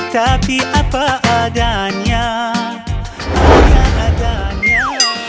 tapi apa adanya apa adanya